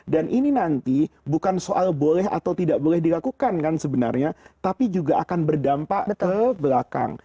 dan ini nanti bukan soal boleh atau tidak boleh dilakukan kan sebenarnya tapi juga akan berdampak ke belakang